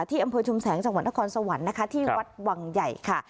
ที่อำเภอชุมแสงจังหวัดนครสวรรค์นะคะที่วัดวังใหญ่ค่ะ